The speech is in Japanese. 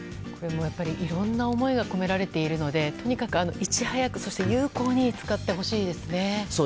いろんな思いが込められているのでとにかくいち早くそして、有効に使ってほしいですね。